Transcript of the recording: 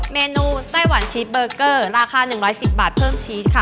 ไต้หวันชีสเบอร์เกอร์ราคา๑๑๐บาทเพิ่มชีสค่ะ